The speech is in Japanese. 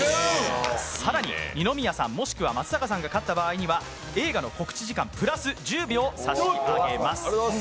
更に二宮さん、もしくは松坂さんが勝った場合には映画の告知時間、プラス１０秒差し上げます。